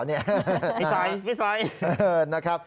พี่ซ้าย